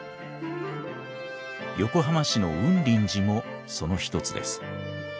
横浜市の雲林寺もその一つです。